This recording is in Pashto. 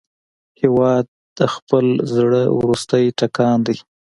هېواد د خپل زړه وروستی ټکان دی.